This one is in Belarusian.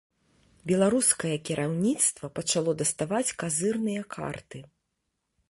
Беларускае кіраўніцтва пачало даставаць казырныя карты.